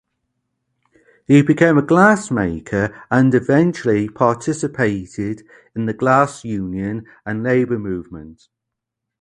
He became a glassmaker and eventually participated in the glass union and labor movement.